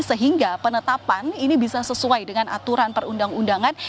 sehingga penetapan ini bisa sesuai dengan aturan perundang undangan